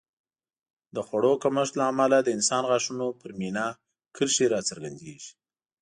د خوړو کمښت له امله د انسان غاښونو پر مینا کرښې راڅرګندېږي